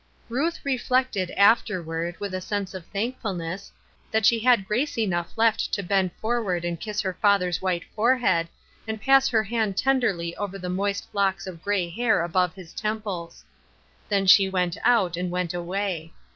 Ruth reflected, afterward, with a sense of thankfulness, that she had grace enough left to bend forward and kiss her father's white fore head, and pass her hand tenderly over the moist locks of gray hair above his temples. Then she went out and went away.